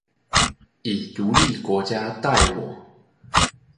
以獨立國家待我